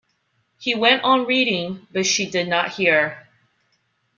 He went on reading, but she did not hear.